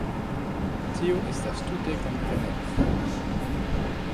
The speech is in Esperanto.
Tio estas tute komprenebla.